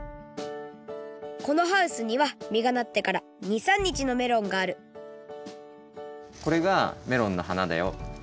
このハウスにはみがなってから２３にちのメロンがあるこれがメロンの花だよ。